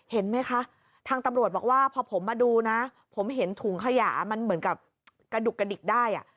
เห็นไหมคะทางตำรวจบอกว่าพอผมมาดูนะผมเห็นถุงขยะมันเหมือนกับกระดุกกระดิกได้